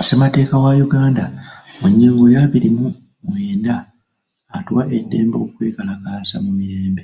Ssemateeka wa Uganda mu nnyingo ya abiri mu mwenda atuwa eddembe okwekalakaasa mu mirembe.